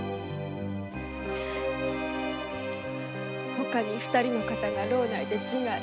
ほかに二人の方が牢内で自害。